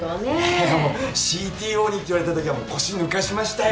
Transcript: ＣＴＯにって言われたときは腰抜かしましたよ。